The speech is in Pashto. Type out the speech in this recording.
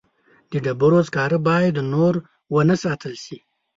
د ډبرو سکاره باید نور ونه ساتل شي.